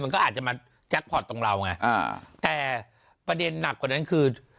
มันก็อาจจะมาแจ็คพอร์ตตรงเราไงอ่าแต่ประเด็นหนักกว่านั้นคือ